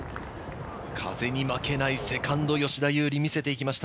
風に負けないセカンド、吉田優利、見せていきました。